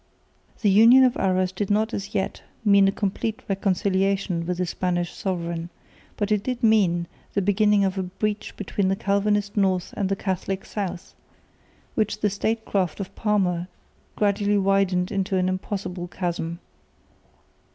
The Union of Arras did not as yet mean a complete reconciliation with the Spanish sovereign, but it did mean the beginning of a breach between the Calvinist north and the Catholic south, which the statecraft of Parma gradually widened into an impossible chasm.